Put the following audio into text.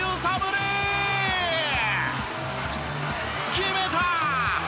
決めた！